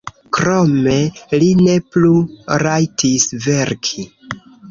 Krome li ne plu rajtis verki.